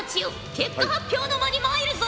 結果発表の間に参るぞ！